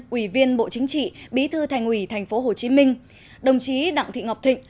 ủy viên bộ chính trị bí thư thành ủy tp hcm đồng chí đặng thị ngọc thịnh